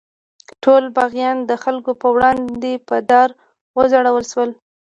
ټول باغیان د خلکو په وړاندې په دار وځړول شول.